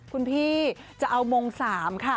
คุณพี่จะเอามง๓ค่ะ